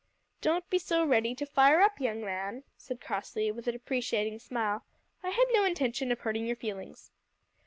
"Don't be so ready to fire up, young man," said Crossley, with a deprecating smile. "I had no intention of hurting your feelings."